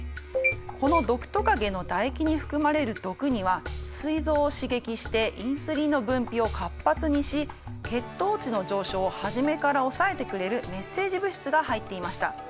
このドクトカゲの唾液に含まれる毒にはすい臓を刺激してインスリンの分泌を活発にし血糖値の上昇をはじめから抑えてくれるメッセージ物質が入っていました。